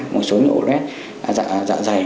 một số những ổ lết dạ dày